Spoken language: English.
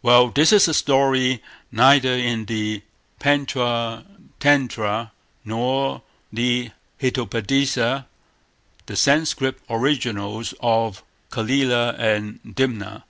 Well, this is a story neither in the Pantcha Tantra nor the Hitopadesa, the Sanscrit originals of Calila and Dimna.